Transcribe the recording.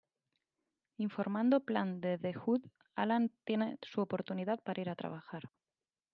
Informando plan de The Hood, Alan tiene su oportunidad para ir a trabajar.